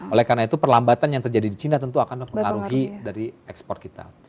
oleh karena itu perlambatan yang terjadi di cina tentu akan mempengaruhi dari ekspor kita